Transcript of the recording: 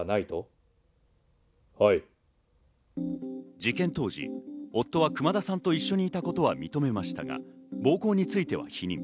事件当時、夫は熊田さんと一緒にいたことを認めましたが、暴行については否認。